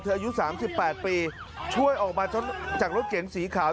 อายุ๓๘ปีช่วยออกมาจากรถเก๋งสีขาว